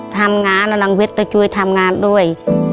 ทำงานแล้วน้องเวียดก็ช่วยทำงานด้วย